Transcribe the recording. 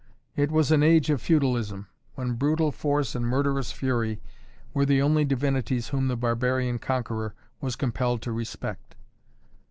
It was an age of feudalism, when brutal force and murderous fury were the only divinities whom the barbarian conqueror was compelled to respect.